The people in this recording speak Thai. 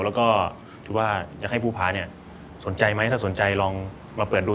แล้วก็ถือว่าอยากให้ผู้พาสนใจไหมถ้าสนใจลองมาเปิดดู